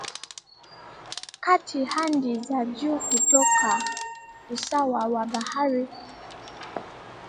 kati hadi za juu kutoka usawa wa bahari.